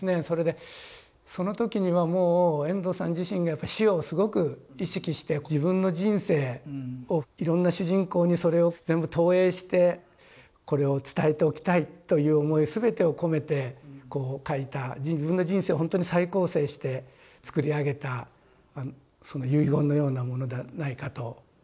それでその時にはもう遠藤さん自身がやっぱ死をすごく意識して自分の人生をいろんな主人公にそれを全部投影してこれを伝えておきたいという思い全てを込めてこう書いた自分の人生ほんとに再構成して作り上げたその遺言のようなものではないかと。